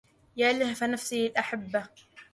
يا لهف نفسي للأحبه